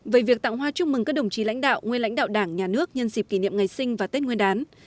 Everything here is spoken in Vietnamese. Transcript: về việc tặng hoa chúc mừng các đồng chí lãnh đạo nguyên lãnh đạo đảng nhà nước nhân dịp kỷ niệm ngày sinh và tết nguyên đán